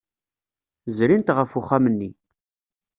Zrint ɣef uxxam-nni.